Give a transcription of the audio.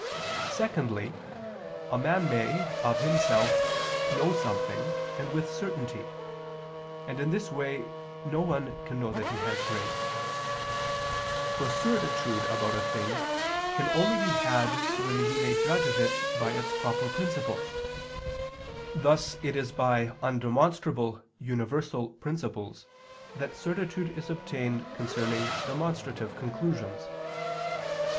Secondly, a man may, of himself, know something, and with certainty; and in this way no one can know that he has grace. For certitude about a thing can only be had when we may judge of it by its proper principle. Thus it is by undemonstrable universal principles that certitude is obtained concerning demonstrative conclusions.